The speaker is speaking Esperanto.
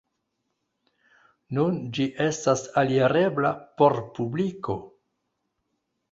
Nun ĝi estas alirebla por publiko.